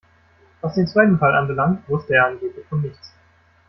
Was den zweiten Fall anbelangt, wusste er angeblich von nichts.